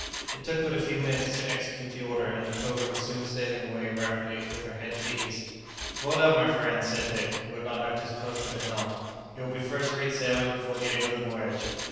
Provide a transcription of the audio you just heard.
It took but a few minutes to execute the order, and the "Pilgrim" was soon sailing away rapidly with her head to the east. "Well done, my friends!" said Dick, who had not left his post at the helm; "you will be first rate sailors before the end of the voyage."